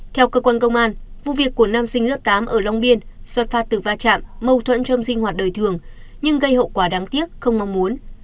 theo cơ quan công an vụ việc của nam sinh lớp tám ở long biên xuất phát từ va chạm mâu thuẫn trong sinh hoạt đời thường nhưng gây hậu quả đáng tiếc không mong muốn